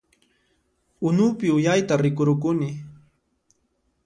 Unupi uyayta rikurukuni